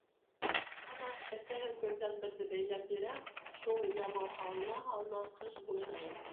Ана, әсәһе көҙҙән берҙе бәйләп бирә, шул ямау һалына-һалына ҡыш буйына етә.